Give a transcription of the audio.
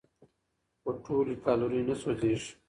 خو ټولې کالورۍ نه سوځېږي.